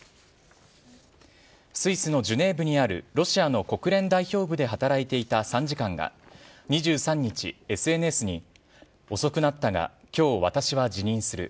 スイスのジュネーブにある、ロシアの国連代表部で働いていた参事官が２３日、ＳＮＳに、遅くなったが、きょう、私は辞任する。